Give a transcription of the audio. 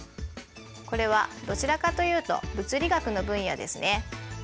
これはどちらかというと物理学の分野ですね。